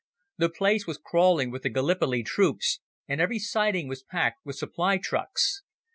The place was crawling with the Gallipoli troops, and every siding was packed with supply trucks.